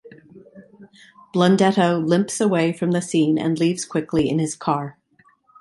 Blundetto limps away from the scene and leaves quickly in his car.